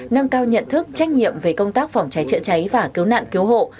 nâng cao nhận thức trách nhiệm về công tác phòng cháy chữa cháy và cứu nạn cứu hộ